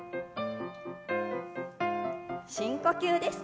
深呼吸です。